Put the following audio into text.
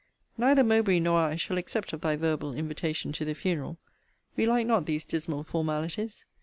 Neither Mowbray nor I shall accept of thy verbal invitation to the funeral. We like not these dismal formalities.